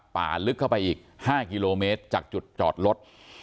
ลึกเข้าไปอีก๕กิโลเมตรจากจุดจอดรถ